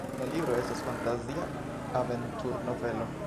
La libro estas fantazia aventur-novelo.